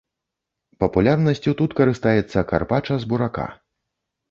Папулярнасцю тут карыстаецца карпача з бурака.